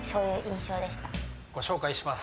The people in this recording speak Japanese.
ご紹介します。